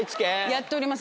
やっております